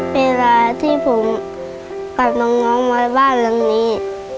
เวลาที่ผมกับน้องน้องมาบ้านล่างนี้